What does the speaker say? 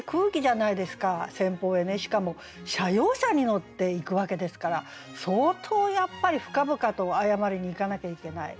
先方へねしかも社用車に乗って行くわけですから相当やっぱり深々と謝りにいかなきゃいけない。